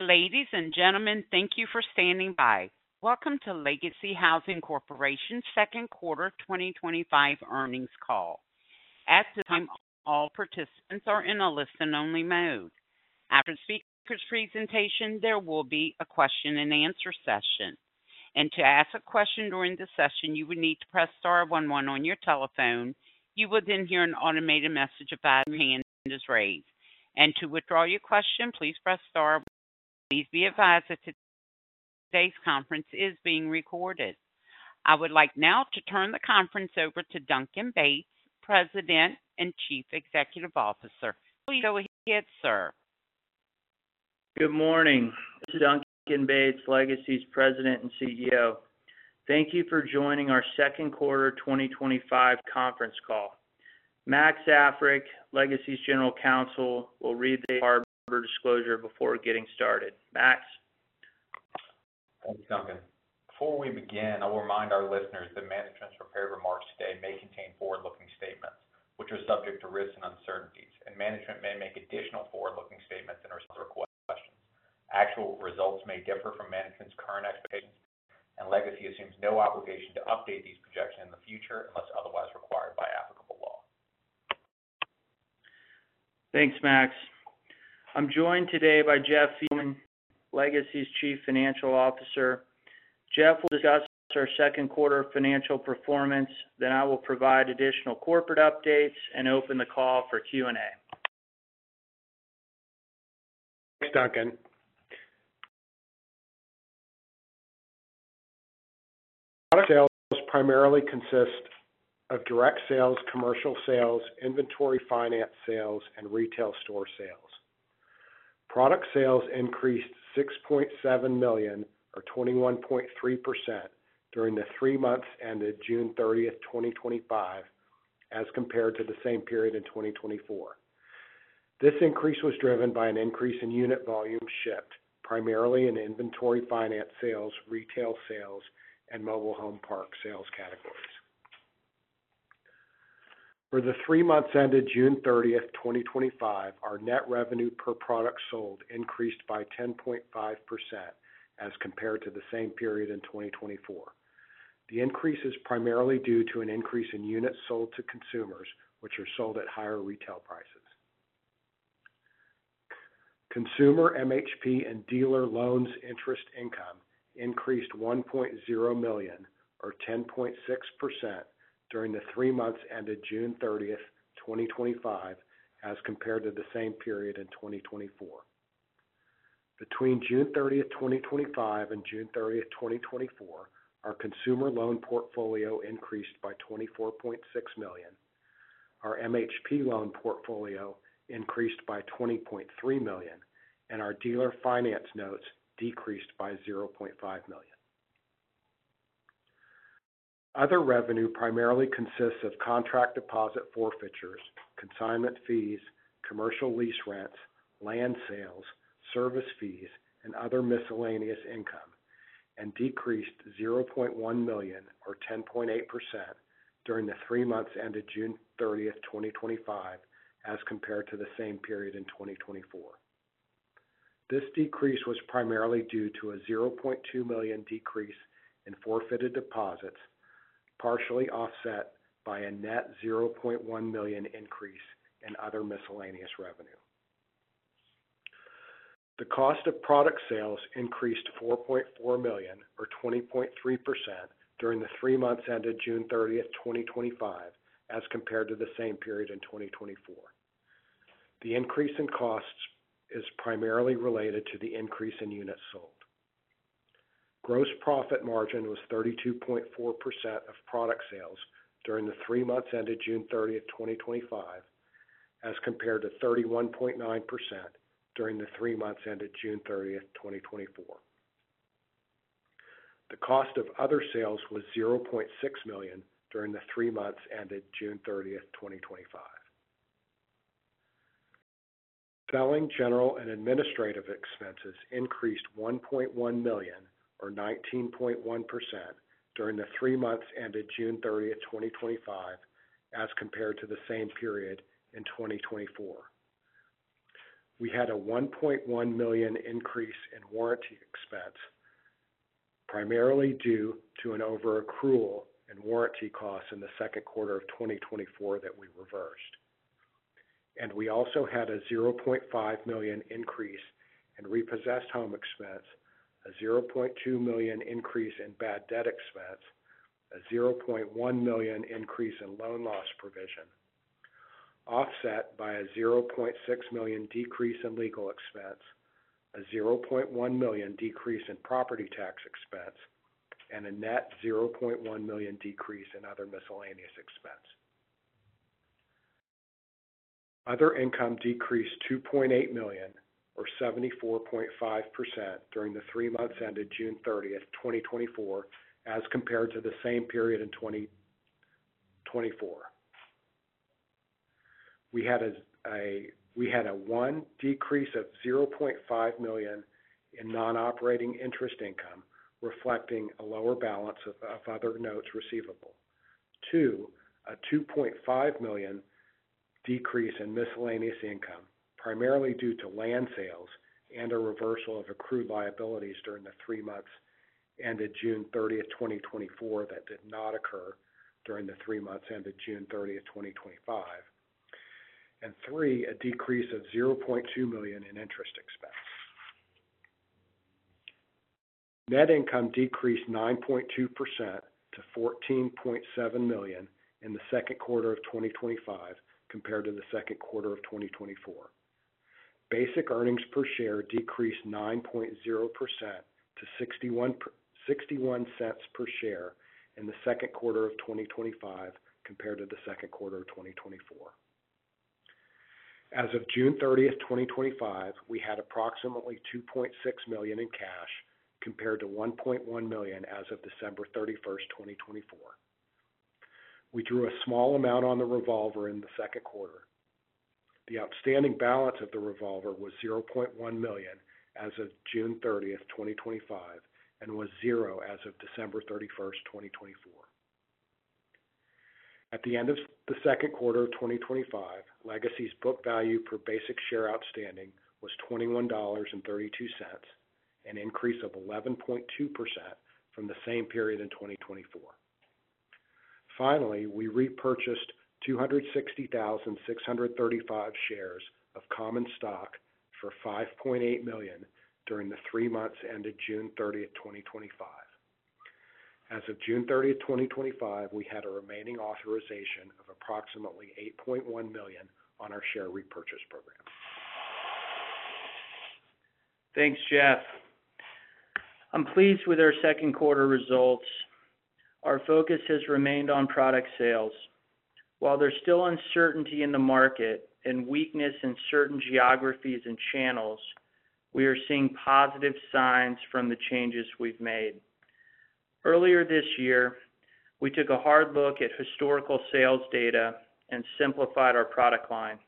Ladies and gentlemen, thank you for standing by. Welcome to Legacy Housing Corporation's Second Quarter 2025 Earnings Call. At this time, all participants are in a listen-only mode. After the speaker's presentation, there will be a question-and-answer session. To ask a question during this session, you would need to press star one one on your telephone. You will then hear an automated message about your hand is raised. To withdraw your question, please press star. Please be advised that today's conference is being recorded. I would like now to turn the conference over to Duncan Bates, President and Chief Executive Officer. Please go ahead, sir. Good morning. This is Duncan Bates, Legacy's President and CEO. Thank you for joining our second quarter 2025 conference call. Max Africk, Legacy's General Counsel, will read the Board of disclosure before getting started. Max? Thanks, Duncan. Before we begin, I'll remind our listeners that management's prepared remarks today may contain forward-looking statements, which are subject to risks and uncertainties, and management may make additional forward-looking statements in response to requests. Actual results may differ from management's current expectations, and Legacy assumes no obligation to update these projections in the future unless otherwise required by applicable law. Thanks, Max. I'm joined today by Jeff Fiedelman, Legacy's Chief Financial Officer. Jeff will discuss our second quarter financial performance, then I will provide additional corporate updates and open the call for Q&A. Thanks, Duncan. Product sales primarily consist of direct sales, commercial sales, inventory finance sales, and retail store sales. Product sales increased $6.7 million, or 21.3%, during the three months ended June 30, 2025, as compared to the same period in 2024. This increase was driven by an increase in unit volume shipped, primarily in inventory finance sales, retail sales, and mobile home park sales categories. For the three months ended June 30, 2025, our net revenue per product sold increased by 10.5% as compared to the same period in 2024. The increase is primarily due to an increase in units sold to consumers, which are sold at higher retail prices. Consumer MHP and dealer loans interest income increased $1.0 million, or 10.6%, during the three months ended June 30, 2025, as compared to the same period in 2024. Between June 30, 2025, and June 30, 2024, our consumer loan portfolio increased by $24.6 million, our MHP loan portfolio increased by $20.3 million, and our dealer finance notes decreased by $0.5 million. Other revenue primarily consists of contract deposit forfeitures, consignment fees, commercial lease rents, land sales, service fees, and other miscellaneous income, and decreased $0.1 million, or 10.8%, during the three months ended June 30, 2025, as compared to the same period in 2024. This decrease was primarily due to a $0.2 million decrease in forfeited deposits, partially offset by a net $0.1 million increase in other miscellaneous revenue. The cost of product sales increased $4.4 million, or 20.3%, during the three months ended June 30, 2025, as compared to the same period in 2024. The increase in costs is primarily related to the increase in units sold. Gross profit margin was 32.4% of product sales during the three months ended June 30, 2025, as compared to 31.9% during the three months ended June 30, 2024. The cost of other sales was $0.6 million during the three months ended June 30, 2025. Selling, general, and administrative expenses increased $1.1 million, or 19.1%, during the three months ended June 30, 2025, as compared to the same period in 2024. We had a $1.1 million increase in warranty expense, primarily due to an over accrual in warranty costs in the second quarter of 2024 that we reversed. We also had a $0.5 million increase in repossession costs, a $0.2 million increase in bad debt expense, a $0.1 million increase in loan loss provision, offset by a $0.6 million decrease in legal expense, a $0.1 million decrease in property tax expense, and a net $0.1 million decrease in other miscellaneous expense. Other income decreased $2.8 million, or 74.5%, during the three months ended June 30, 2024, as compared to the same period in 2024. We had a one decrease of $0.5 million in non-operating interest income, reflecting a lower balance of other notes receivable, two a $2.5 million decrease in miscellaneous income, primarily due to land sales and a reversal of accrued liabilities during the three months ended June 30, 2024, that did not occur during the three months ended June 30, 2025, and three a decrease of $0.2 million in interest expense. Net income decreased 9.2% to $14.7 million in the second quarter of 2025 compared to the second quarter of 2024. Basic earnings per share decreased 9.0% to $0.61 per share in the second quarter of 2025 compared to the second quarter of 2024. As of June 30, 2025, we had approximately $2.6 million in cash compared to $1.1 million as of December 31, 2024. We drew a small amount on the revolver in the second quarter. The outstanding balance of the revolver was $0.1 million as of June 30, 2025, and was zero as of December 31, 2024. At the end of the second quarter of 2025, Legacy's book value per basic share outstanding was $21.32, an increase of 11.2% from the same period in 2024. Finally, we repurchased 260,635 shares of common stock for $5.8 million during the three months ended June 30, 2025. As of June 30, 2025, we had a remaining authorization of approximately $8.1 million on our share repurchase program. Thanks, Jeff. I'm pleased with our second quarter results. Our focus has remained on product sales. While there's still uncertainty in the market and weakness in certain geographies and channels, we are seeing positive signs from the changes we've made. Earlier this year, we took a hard look at historical sales data and simplified our product line.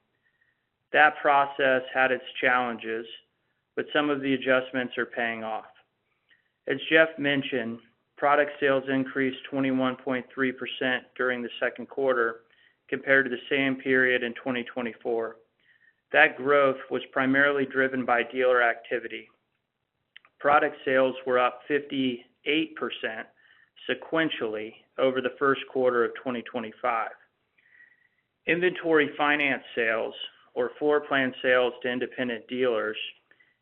That process had its challenges, but some of the adjustments are paying off. As Jeff mentioned, product sales increased 21.3% during the second quarter compared to the same period in 2024. That growth was primarily driven by dealer activity. Product sales were up 58% sequentially over the first quarter of 2025. Inventory finance sales, or floor plan sales to independent dealers,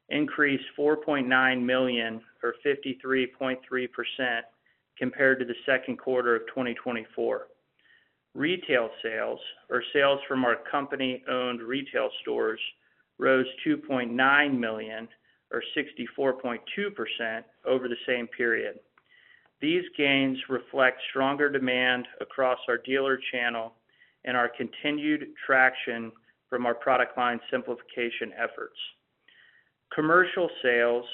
increased $4.9 million, or 53.3% compared to the second quarter of 2024. Retail sales, or sales from our company-owned retail stores, rose $2.9 million, or 64.2% over the same period. These gains reflect stronger demand across our dealer channel and our continued traction from our product line simplification efforts. Commercial sales,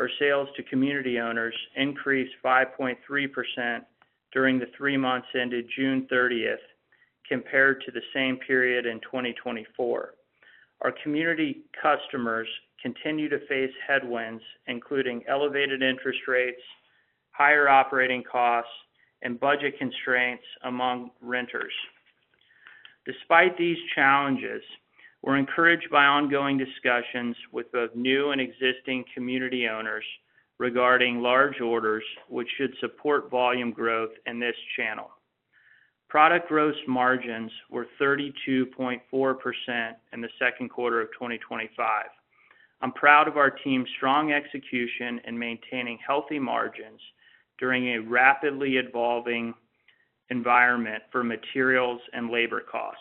or sales to community owners, increased 5.3% during the three months ended June 30 compared to the same period in 2024. Our community customers continue to face headwinds, including elevated interest rates, higher operating costs, and budget constraints among renters. Despite these challenges, we're encouraged by ongoing discussions with both new and existing community owners regarding large orders, which should support volume growth in this channel. Product gross margins were 32.4% in the second quarter of 2025. I'm proud of our team's strong execution in maintaining healthy margins during a rapidly evolving environment for materials and labor costs.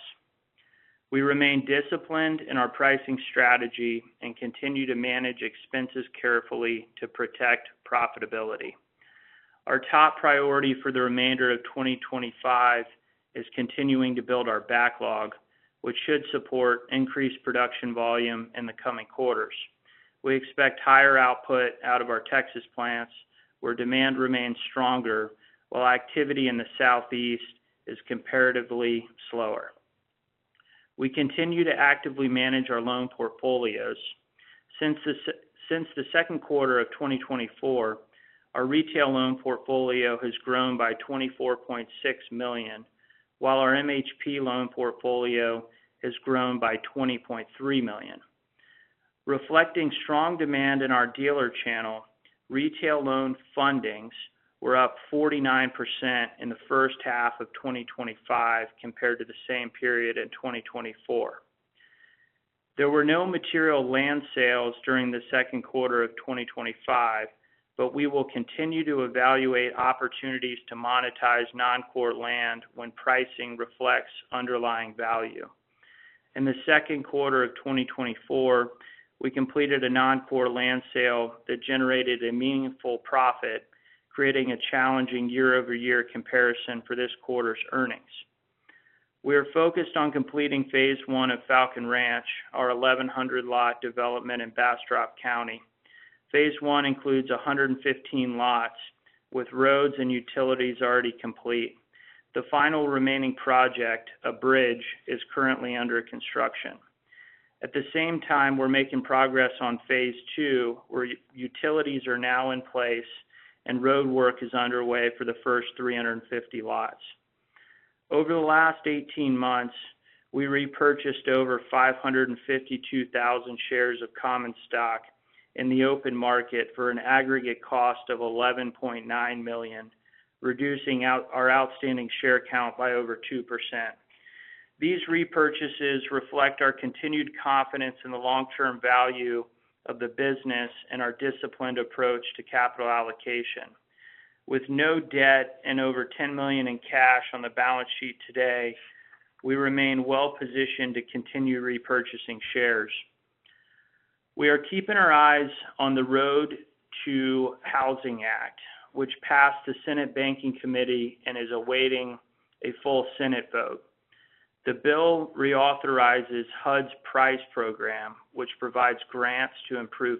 We remain disciplined in our pricing strategy and continue to manage expenses carefully to protect profitability. Our top priority for the remainder of 2025 is continuing to build our backlog, which should support increased production volume in the coming quarters. We expect higher output out of our Texas plants, where demand remains stronger, while activity in the Southeast is comparatively slower. We continue to actively manage our loan portfolios. Since the second quarter of 2024, our retail loan portfolio has grown by $24.6 million, while our MHP loan portfolio has grown by $20.3 million. Reflecting strong demand in our dealer channel, retail loan fundings were up 49% in the first half of 2025 compared to the same period in 2024. There were no material land sales during the second quarter of 2025, but we will continue to evaluate opportunities to monetize non-core land when pricing reflects underlying value. In the second quarter of 2024, we completed a non-core land sale that generated a meaningful profit, creating a challenging year-over-year comparison for this quarter's earnings. We are focused on completing phase I of Falcon Ranch, our 1,100-lot development in Bastrop County. Phase I includes 115 lots with roads and utilities already complete. The final remaining project, a bridge, is currently under construction. At the same time, we're making progress on phase II, where utilities are now in place and roadwork is underway for the first 350 lots. Over the last 18 months, we repurchased over 552,000 shares of common stock in the open market for an aggregate cost of $11.9 million, reducing our outstanding share count by over 2%. These repurchases reflect our continued confidence in the long-term value of the business and our disciplined approach to capital allocation. With no debt and over $10 million in cash on the balance sheet today, we remain well-positioned to continue repurchasing shares. We are keeping our eyes on the ROAD to Housing Act, which passed the Senate Banking Committee and is awaiting a full Senate vote. The bill reauthorizes HUD's PRICE program, which provides grants to improve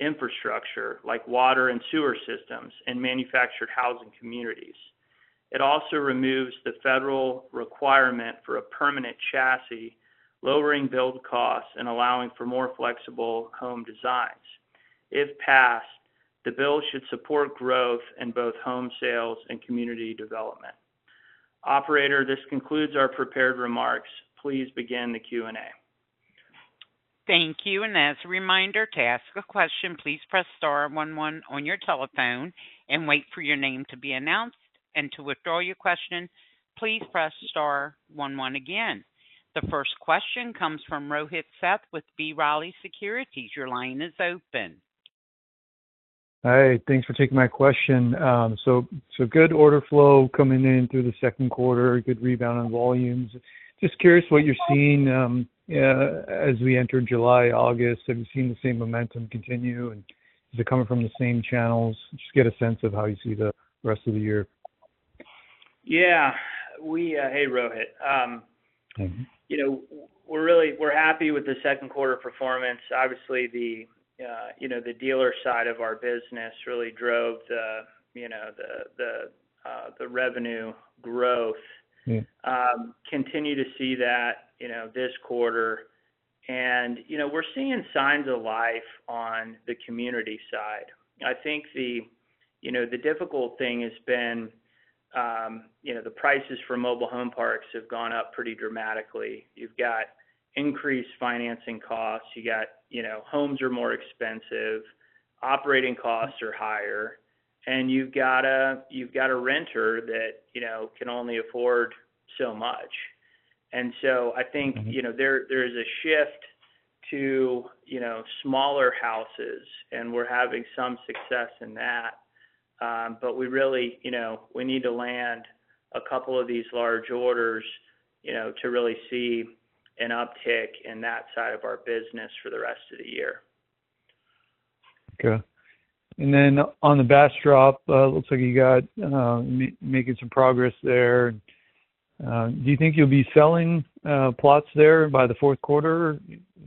infrastructure like water and sewer systems in manufactured housing communities. It also removes the federal requirement for a permanent chassis, lowering build costs and allowing for more flexible home designs. If passed, the bill should support growth in both home sales and community development. Operator, this concludes our prepared remarks. Please begin the Q&A. Thank you. As a reminder, to ask a question, please press star one one on your telephone and wait for your name to be announced. To withdraw your question, please press star one one again. The first question comes from Rohit Seth with B. Riley Securities. Your line is open. Hi. Thanks for taking my question. Good order flow coming in through the second quarter, a good rebound in volumes. Just curious what you're seeing as we enter July, August. Have you seen the same momentum continue? Is it coming from the same channels? Just get a sense of how you see the rest of the year. Yeah. Hey, Rohit. You know, we're really happy with the second quarter performance. Obviously, the dealer side of our business really drove the revenue growth. We continue to see that this quarter, and we're seeing signs of life on the community side. I think the difficult thing has been the prices for mobile home parks have gone up pretty dramatically. You've got increased financing costs, you got homes are more expensive, operating costs are higher, and you've got a renter that can only afford so much. I think there is a shift to smaller houses, and we're having some success in that, but we really need to land a couple of these large orders to really see an uptick in that side of our business for the rest of the year. Okay. On the Bastrop, it looks like you got, making some progress there. Do you think you'll be selling plots there by the fourth quarter?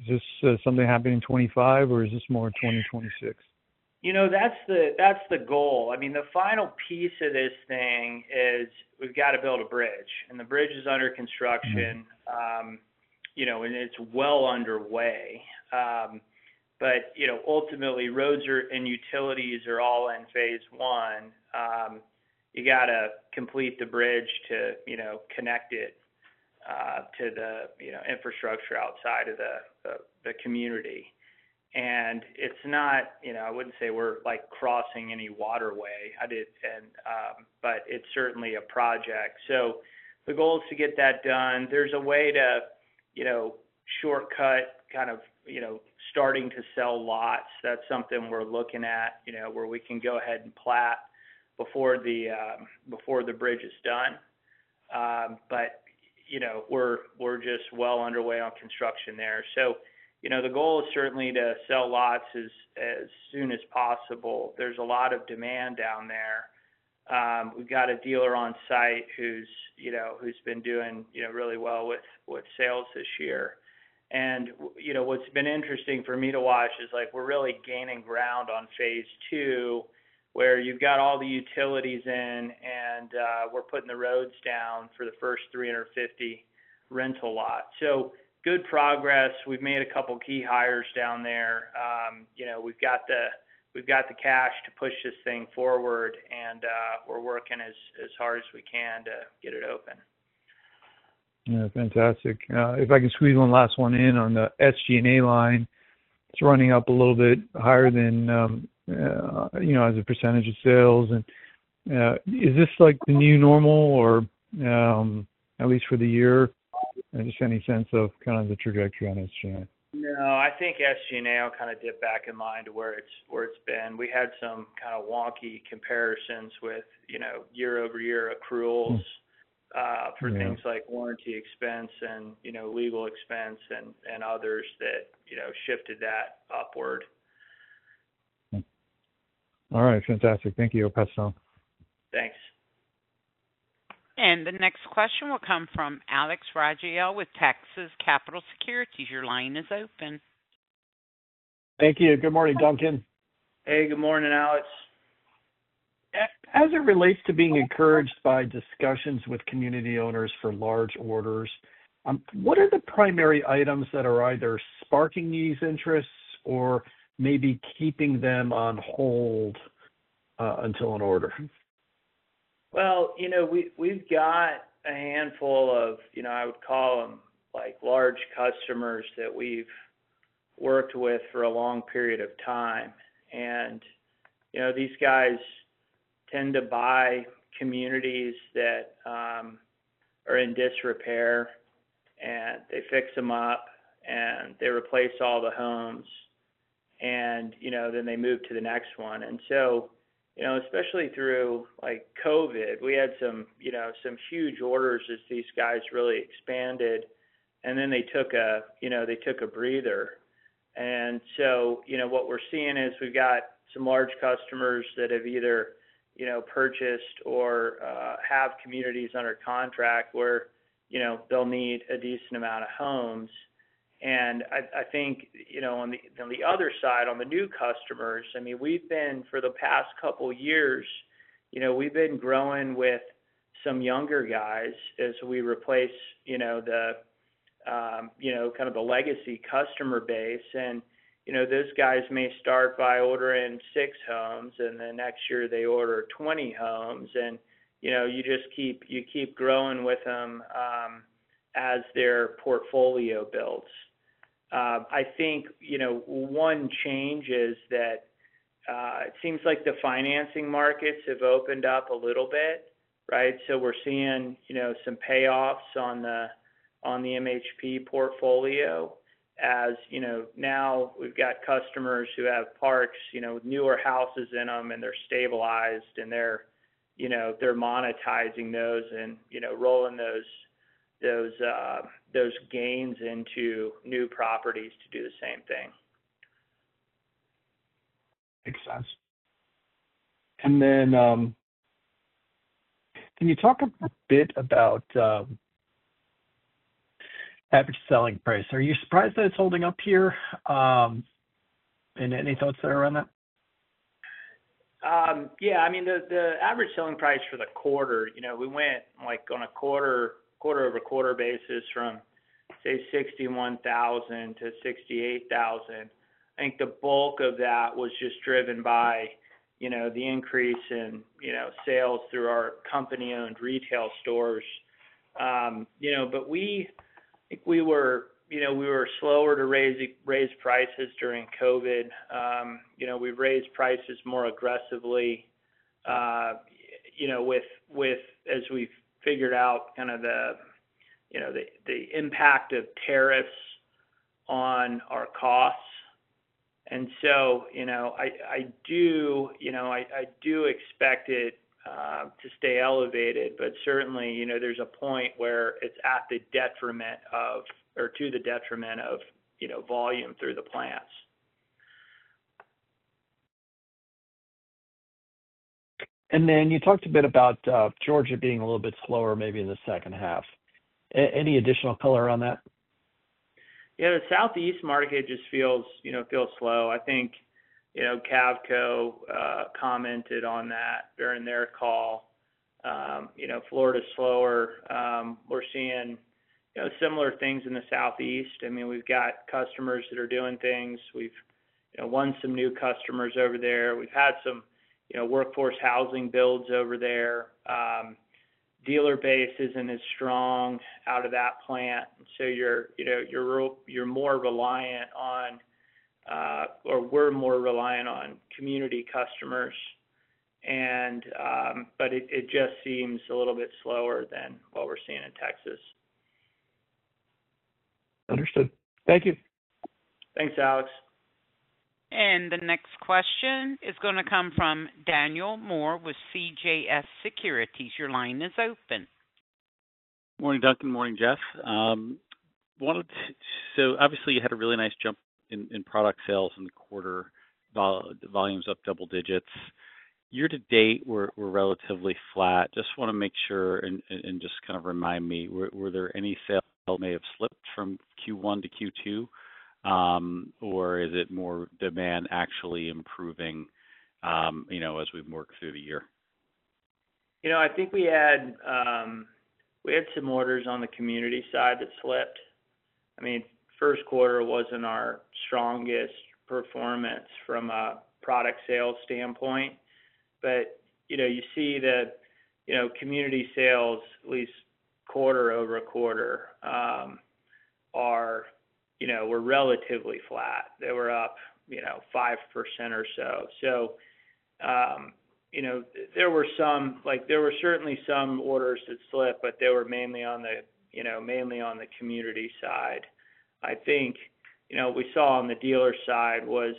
Is this something happening in 2025, or is this more in 2026? You know, that's the goal. I mean, the final piece of this thing is we've got to build a bridge. The bridge is under construction, and it's well underway. Ultimately, roads and utilities are all in phase I. You got to complete the bridge to connect it to the infrastructure outside of the community. It's not, I wouldn't say we're crossing any waterway, but it's certainly a project. The goal is to get that done. There's a way to shortcut kind of starting to sell lots. That's something we're looking at, where we can go ahead and plat before the bridge is done. We're just well underway on construction there. The goal is certainly to sell lots as soon as possible. There's a lot of demand down there. We've got a dealer on site who's been doing really well with sales this year. What's been interesting for me to watch is we're really gaining ground on phase II, where you've got all the utilities in, and we're putting the roads down for the first 350 rental lots. Good progress. We've made a couple of key hires down there. We've got the cash to push this thing forward, and we're working as hard as we can to get it open. Yeah, fantastic. If I can squeeze one last one in on the SG&A line, it's running up a little bit higher than, you know, as a percentage of sales. Is this like the new normal, or at least for the year? Just any sense of kind of the trajectory on SG&A? No, I think SG&A will kind of dip back in line to where it's been. We had some kind of wonky comparisons with year-over-year accruals for things like warranty expense, legal expense, and others that shifted that upward. All right, fantastic. Thank you. Thanks. The next question will come from Alex Rygiel with Texas Capital Securities. Your line is open. Thank you. Good morning, Duncan. Hey, good morning, Alex. As it relates to being encouraged by discussions with community owners for large orders, what are the primary items that are either sparking these interests or maybe keeping them on hold until an order? We've got a handful of, I would call them, large customers that we've worked with for a long period of time. These guys tend to buy communities that are in disrepair, and they fix them up, and they replace all the homes, and then they move to the next one. Especially through COVID, we had some huge orders as these guys really expanded, and then they took a breather. What we're seeing is we've got some large customers that have either purchased or have communities under contract where they'll need a decent amount of homes. On the other side, on the new customers, we've been, for the past couple of years, growing with some younger guys as we replace the Legacy customer base. Those guys may start by ordering six homes, and the next year they order 20 homes. You just keep growing with them as their portfolio builds. One change is that it seems like the financing markets have opened up a little bit, right? We're seeing some payoffs on the MHP portfolio. Now we've got customers who have parks with newer houses in them, and they're stabilized, and they're monetizing those and rolling those gains into new properties to do the same thing. Makes sense. Can you talk a bit about average selling price? Are you surprised that it's holding up here, and any thoughts there around that? Yeah, I mean, the average selling price for the quarter, we went on a quarter-over-quarter basis from, say, $61,000 to $68,000. I think the bulk of that was just driven by the increase in sales through our company-owned retail stores. We think we were slower to raise prices during COVID. We've raised prices more aggressively as we've figured out the impact of tariffs on our costs. I do expect it to stay elevated, but certainly there's a point where it's to the detriment of volume through the plants. You talked a bit about Georgia being a little bit slower maybe in the second half. Any additional color on that? Yeah, the Southeast market just feels slow. I think Cavco commented on that during their call. Florida's slower. We're seeing similar things in the Southeast. I mean, we've got customers that are doing things. We've won some new customers over there. We've had some workforce housing builds over there. Dealer base isn't as strong out of that plant, so we're more reliant on community customers. It just seems a little bit slower than what we're seeing in Texas. Understood. Thank you. Thanks, Alex. The next question is going to come from Daniel Moore with CJS Securities. Your line is open. Morning, Duncan. Morning, Jeff. I wanted to, so obviously you had a really nice jump in product sales in the quarter. The volume's up double digits. Year-to-date, we're relatively flat. I just want to make sure and just kind of remind me, were there any sales that may have slipped from Q1 to Q2, or is it more demand actually improving, you know, as we've worked through the year? I think we had some orders on the community side that slipped. First quarter wasn't our strongest performance from a product sales standpoint. You see that community sales, at least quarter-over-quarter, were relatively flat. They were up 5% or so. There were certainly some orders that slipped, but they were mainly on the community side. I think what we saw on the dealer side was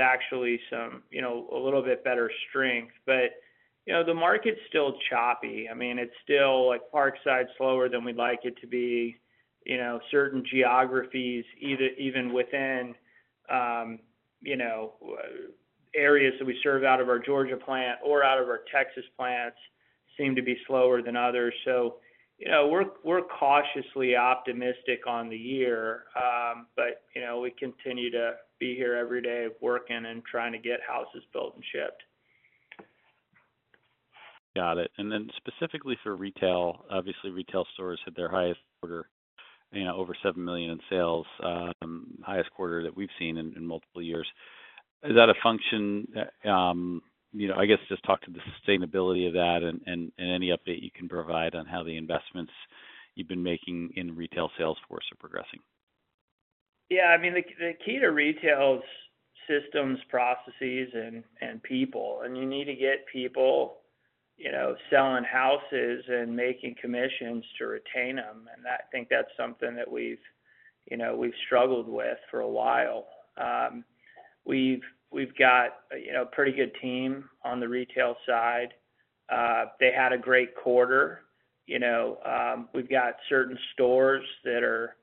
actually a little bit better strength. The market's still choppy. Parkside's slower than we'd like it to be. Certain geographies, even within areas that we serve out of our Georgia plant or out of our Texas plants, seem to be slower than others. We're cautiously optimistic on the year, but we continue to be here every day working and trying to get houses built and shipped. Got it. Specifically for retail, obviously, retail stores hit their highest quarter, you know, over $7 million in sales, highest quarter that we've seen in multiple years. Is that a function, you know, just talk to the sustainability of that and any update you can provide on how the investments you've been making in retail salesforce are progressing? Yeah, I mean, the key to retail is systems, processes, and people. You need to get people selling houses and making commissions to retain them. I think that's something that we've struggled with for a while. We've got a pretty good team on the retail side. They had a great quarter. We've got certain stores that are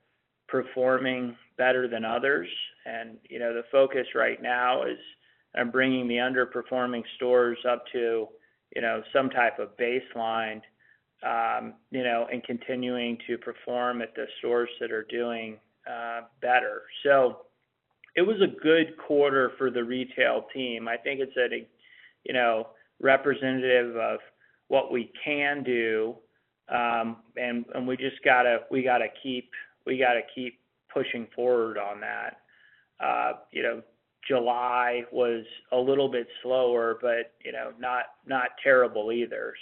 performing better than others. The focus right now is bringing the underperforming stores up to some type of baseline and continuing to perform at the stores that are doing better. It was a good quarter for the retail team. I think it's representative of what we can do, and we just got to keep pushing forward on that. July was a little bit slower, but not terrible either.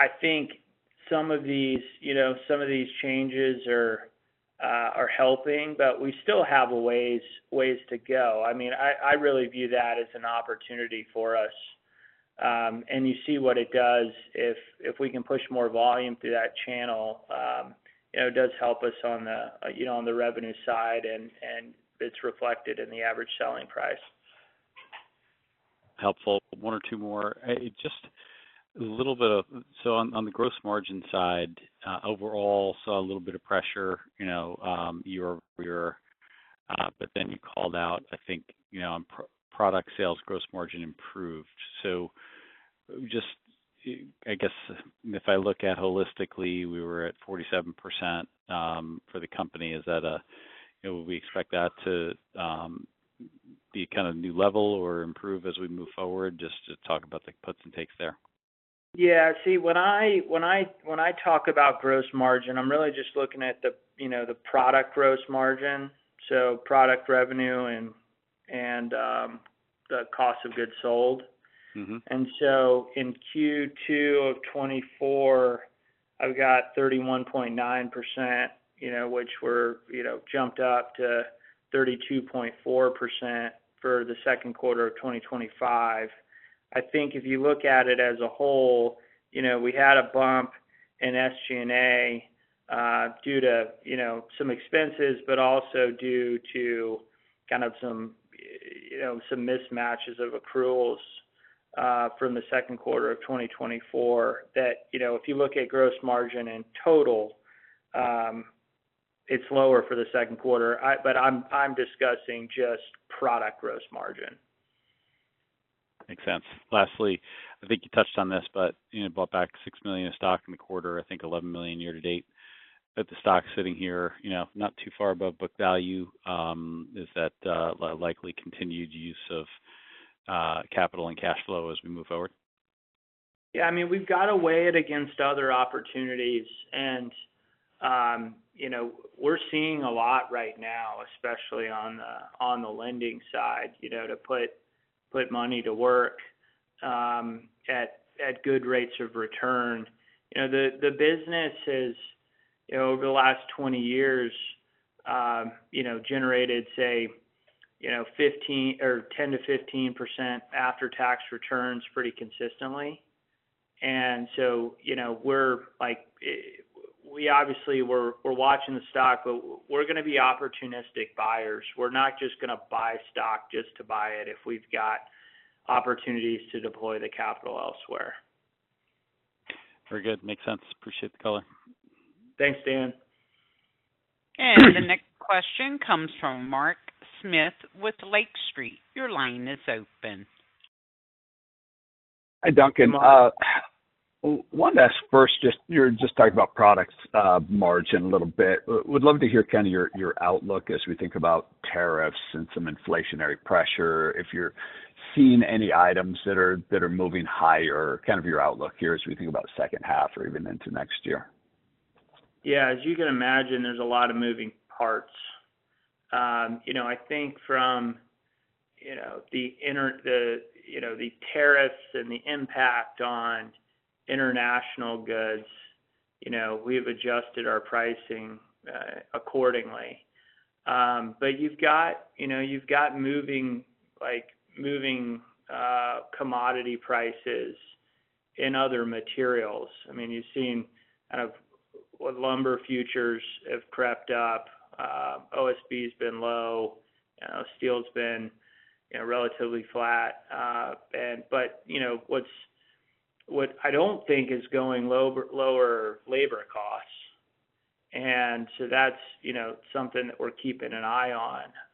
I think some of these changes are helping, but we still have ways to go. I really view that as an opportunity for us. You see what it does if we can push more volume through that channel. It does help us on the revenue side, and it's reflected in the average selling price. Helpful. One or two more. On the gross margin side, overall, saw a little bit of pressure, you know, but then you called out, I think, on product sales gross margin improved. If I look at it holistically, we were at 47% for the company. Is that, would we expect that to be kind of a new level or improve as we move forward? Just talk about the puts and takes there. Yeah, see, when I talk about gross margin, I'm really just looking at the, you know, the product gross margin. So product revenue and the cost of goods sold. In Q2 of 2024, I've got 31.9%, which jumped up to 32.4% for the second quarter of 2025. I think if you look at it as a whole, we had a bump in SG&A due to some expenses, but also due to kind of some mismatches of accruals from the second quarter of 2024 that, if you look at gross margin in total, it's lower for the second quarter. I'm discussing just product gross margin. Makes sense. Lastly, I think you touched on this, but you know, bought back $6 million of stock in the quarter, I think $11 million year to date. At the stock sitting here, you know, not too far above book value, is that a likely continued use of capital and cash flow as we move forward? Yeah, I mean, we've got to weigh it against other opportunities. We're seeing a lot right now, especially on the lending side, to put money to work at good rates of return. The business has, over the last 20 years, generated, say, 10%-15% after-tax returns pretty consistently. We're watching the stock, but we're going to be opportunistic buyers. We're not just going to buy stock just to buy it if we've got opportunities to deploy the capital elsewhere. Very good. Makes sense. Appreciate the color. Thanks, Dan. The next question comes from Mark Smith with Lake Street. Your line is open. Hi, Duncan. One last first, just you're just talking about products, margin a little bit. We'd love to hear kind of your outlook as we think about tariffs and some inflationary pressure, if you're seeing any items that are, that are moving higher, kind of your outlook here as we think about the second half or even into next year. Yeah, as you can imagine, there's a lot of moving parts. I think from the tariffs and the impact on international goods, we've adjusted our pricing accordingly. You've got moving commodity prices in other materials. I mean, you've seen kind of what lumber futures have crept up. OSB's been low. Steel's been relatively flat. What I don't think is going lower is labor costs. That's something that we're keeping an eye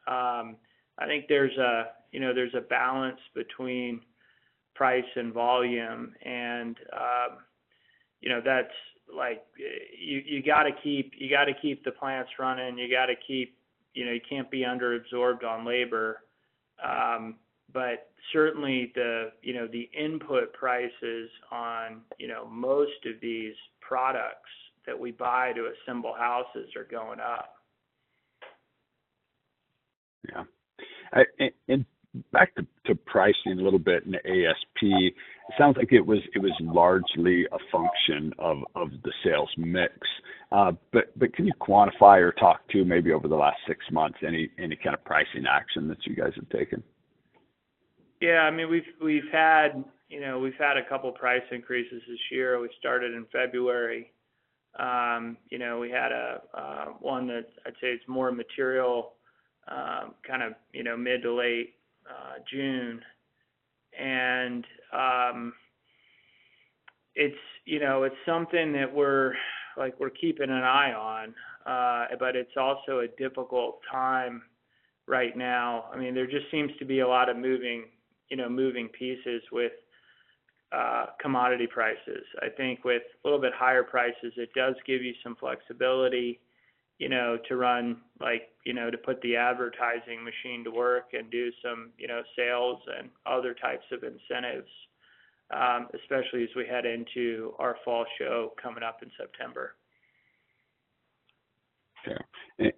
on. I think there's a balance between price and volume. You got to keep the plants running. You can't be underabsorbed on labor. Certainly, the input prices on most of these products that we buy to assemble houses are going up. Yeah, back to pricing a little bit in the ASP, it sounds like it was largely a function of the sales mix. Can you quantify or talk to maybe over the last six months, any kind of pricing action that you guys have taken? Yeah, I mean, we've had a couple of price increases this year. We started in February. We had one that I'd say is more material, kind of mid to late June. It's something that we're keeping an eye on, but it's also a difficult time right now. There just seems to be a lot of moving pieces with commodity prices. I think with a little bit higher prices, it does give you some flexibility to run, like, to put the advertising machine to work and do some sales and other types of incentives, especially as we head into our fall show coming up in September. Okay.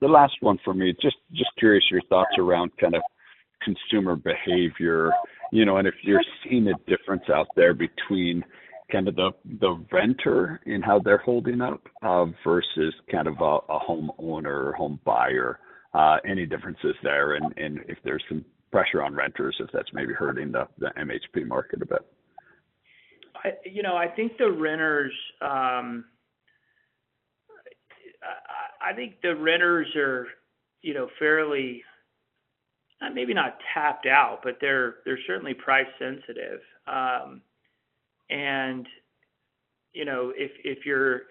The last one for me, just curious your thoughts around kind of consumer behavior, you know, and if you're seeing a difference out there between kind of the renter in how they're holding up versus kind of a homeowner or home buyer. Any differences there? If there's some pressure on renters, if that's maybe hurting the MHP market a bit. I think the renters are, you know, fairly, maybe not tapped out, but they're certainly price sensitive.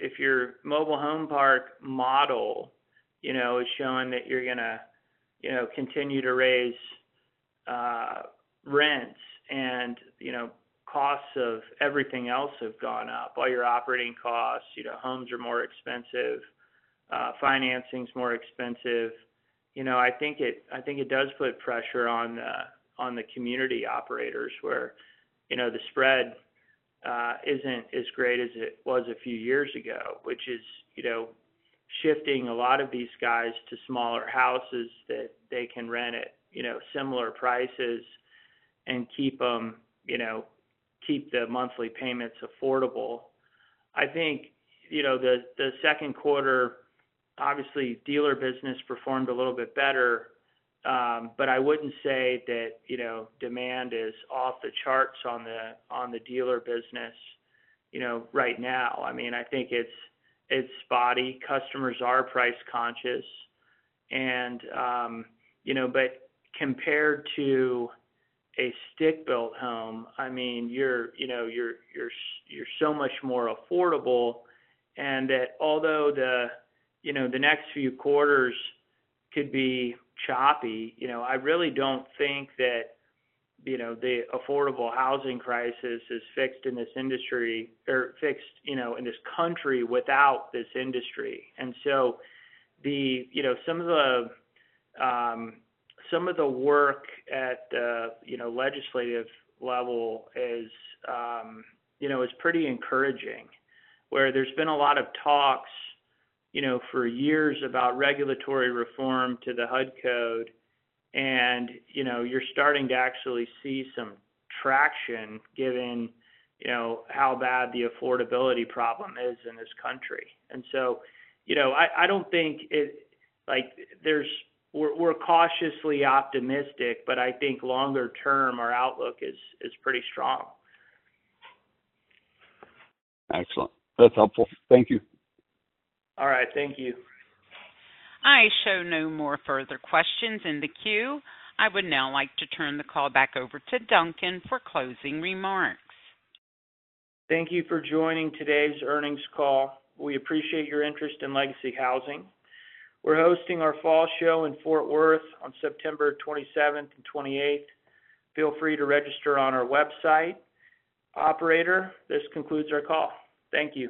If your mobile home park model is showing that you're going to continue to raise rents and costs of everything else have gone up, all your operating costs, homes are more expensive, financing's more expensive. I think it does put pressure on the community operators where the spread isn't as great as it was a few years ago, which is shifting a lot of these guys to smaller houses that they can rent at similar prices and keep the monthly payments affordable. I think the second quarter, obviously, dealer business performed a little bit better, but I wouldn't say that demand is off the charts on the dealer business right now. I mean, I think it's spotty. Customers are price conscious. Compared to a stick-built home, you're so much more affordable. Although the next few quarters could be choppy, I really don't think that the affordable housing crisis is fixed in this industry or fixed in this country without this industry. Some of the work at the legislative level is pretty encouraging, where there's been a lot of talks for years about regulatory reform to the HUD code. You're starting to actually see some traction given how bad the affordability problem is in this country. I don't think it, like, we're cautiously optimistic, but I think longer term, our outlook is pretty strong. Excellent. That's helpful. Thank you. All right, thank you. I show no further questions in the queue. I would now like to turn the call back over to Duncan for closing remarks. Thank you for joining today's earnings call. We appreciate your interest in Legacy Housing. We're hosting our fall show in Fort Worth on September 27th and 28th. Feel free to register on our website. Operator, this concludes our call. Thank you.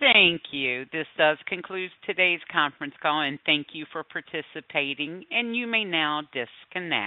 Thank you. This does conclude today's conference call, and thank you for participating. You may now disconnect.